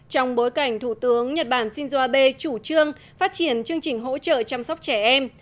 trong bối cảnh thủ tướng nhật bản shinzo abe chủ trương phát triển chương trình hỗ trợ chăm sóc trẻ em